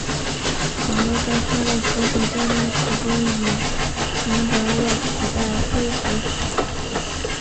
马勒在他的几首交响曲中以兰德勒取代诙谐曲。